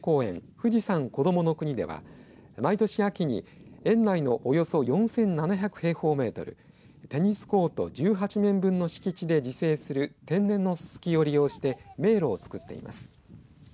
富士山こどもの国では毎年秋に園内のおよそ４７００平方メートルテニスコート１８面分の敷地で自生する天然のススキを利用して迷路を作っています。